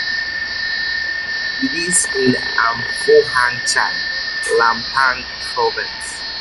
It is in Amphoe Hang Chat, Lampang Province.